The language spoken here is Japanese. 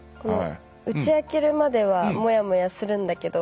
打ち明けるまではもやもやするんだけど